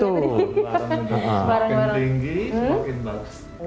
buat kita aduk aduk gitu ya ya